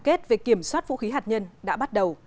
các tham kết về kiểm soát vũ khí hạt nhân đã bắt đầu